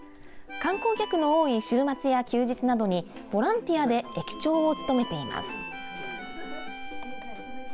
観光客の多い週末や休日などにボランティアで駅長を務めています。